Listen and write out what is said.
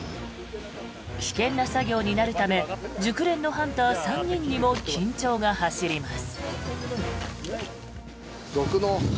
危険な作業になるため熟練のハンター３人にも緊張が走ります。